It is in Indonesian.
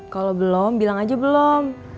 kalau belum bilang aja belum